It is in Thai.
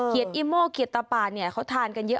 อิโม่เขียดตะปานเนี่ยเขาทานกันเยอะ